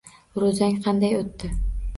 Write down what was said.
Ro`zang qanday o`tdi